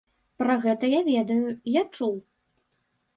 Пра гэта я ведаю, я чуў.